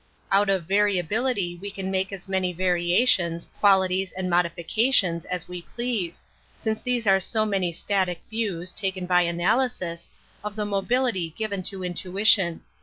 Out of variability we can make as many variations, qualities and modifications as we please, since these are so many static views, taken by analysis, of the mobility given to intuition.